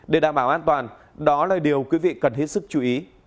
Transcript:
để đảm bảo an toàn đó là điều quý vị cần hết sức chú ý